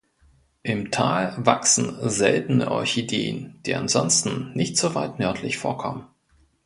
Im Tal wachsen seltene Orchideen, die ansonsten nicht so weit nördlich vorkommen.